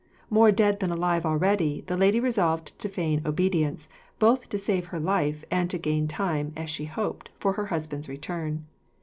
More dead than alive already, the lady resolved to feign obedience, both to save her life, and to gain time, as she hoped, for her husband's return.